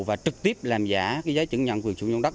và trực tiếp làm giả giấy chứng nhận quyền sử dụng đất